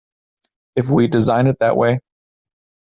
If we design it that way.